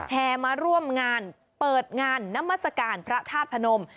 แห่มาร่วมงานเปิดงานนามัศกาลพระธาตุพนม